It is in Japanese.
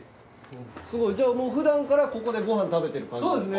すごいじゃあもう普段からここでご飯食べてる感じですか？